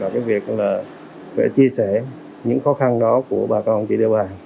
phải chia sẻ những khó khăn đó của bà con chị địa bàn